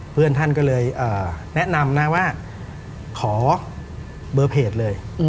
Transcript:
เพื่อนท่านก็เลยแนะนำนะว่าขอเบอร์เพจเลย